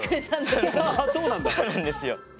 そうなんですよ。